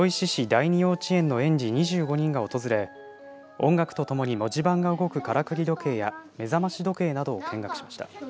第二幼稚園の園児２５人が訪れ音楽とともに文字盤が動く、からくり時計や目覚まし時計などを見学しました。